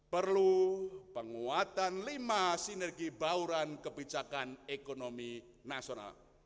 perlu penguatan lima sinergi bauran kebijakan ekonomi nasional